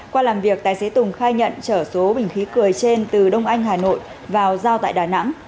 qua làm việc tài xế tùng khai nhận chở số bình khí cười trên từ đông anh hà nội vào giao tại đà nẵng